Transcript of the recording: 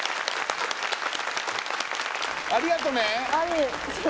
ありがとう